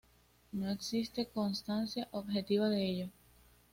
No existe constancia objetiva de ello.